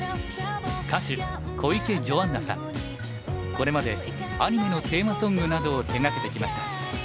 これまでアニメのテーマソングなどを手がけてきました。